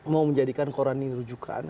mau menjadikan koran ini rujukan